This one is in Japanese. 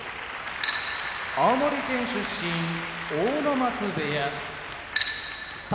青森県出身阿武松部屋宝